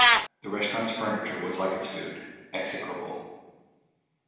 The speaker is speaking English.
The restaurant’s furniture was like its food – execrable.